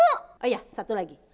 oh ya satu lagi